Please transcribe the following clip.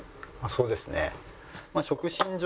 そうですね。